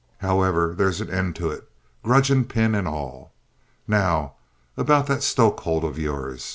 "However, there's an end of it, gudgeon pin and all. Now, about that stoke hold of yours.